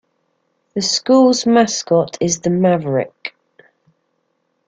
The school's mascot is the Maverick.